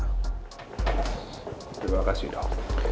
terima kasih dok